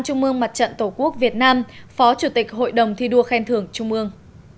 trung mương mặt trận tổ quốc việt nam phó chủ tịch hội đồng thi đua khen thưởng trung ương